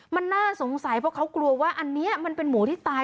มันน่าสงสัยเพราะเขากลัวว่าอันนี้มันเป็นหมูที่ตาย